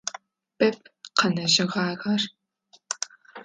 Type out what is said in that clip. Бэп къэнэжьыгъагъэр.